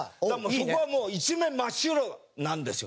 そこはもう一面真っ白なんですよ。